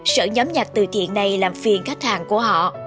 sợ nhóm nhạc từ thiện này làm phiền khách hàng của họ